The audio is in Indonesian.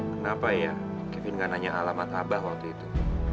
kenapa ya kevin gak nanya alamat abah waktu itu